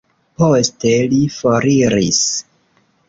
Poste li foriris.